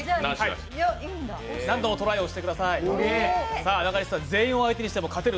何度もトライをしてください。